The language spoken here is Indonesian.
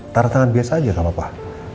tarah tangan biasa aja kan bapak